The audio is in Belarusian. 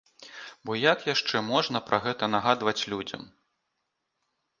Бо як яшчэ можна пра гэта нагадваць людзям?